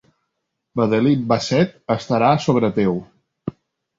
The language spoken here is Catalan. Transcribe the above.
Madeline Bassett estarà sobre teu.